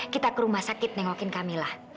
kita ke rumah sakit nengokin kamilah